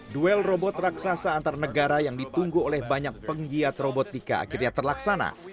duel robot raksasa antar negara yang ditunggu oleh banyak penggiat robotika akhirnya terlaksana